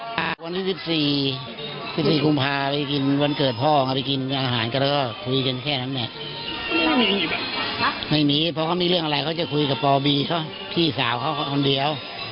บอกให้กินเป็นอาหารที่พี่สาวก็ซื้อมาให้ไม่มีอะไร